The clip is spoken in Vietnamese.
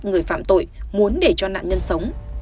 người phạm tội muốn để cho nạn nhân sống